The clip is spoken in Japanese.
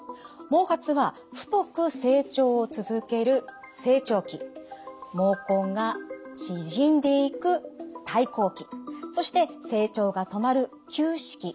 毛髪は太く成長を続ける成長期毛根が縮んでいく退行期そして成長が止まる休止期